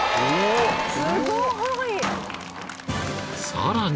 ［さらに］